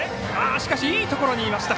しかしいいところにいました。